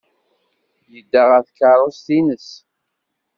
Yedda ɣer tkeṛṛust-nnes.